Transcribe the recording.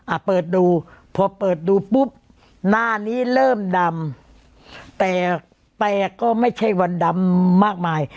อ่ะเปิดดูพอเปิดดูปุ๊บหน้านี้เริ่มดำแต่แปลกก็ไม่ใช่วันดำมากมาย